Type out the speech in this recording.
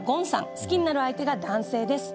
好きになる相手が男性です。